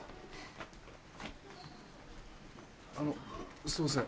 あのすいません